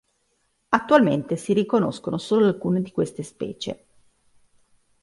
Attualmente si riconoscono solo alcune di queste specie.